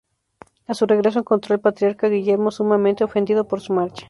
A su regreso encontró al Patriarca Guillermo sumamente ofendido por su marcha.